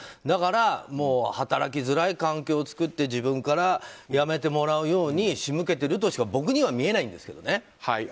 だから働きづらい環境を作って自分から辞めてもらうように仕向けているとしか僕にはみえないんですけどね。